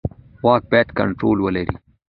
واک باید کنټرول ولري